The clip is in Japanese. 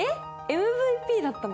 ＭＶＰだったの？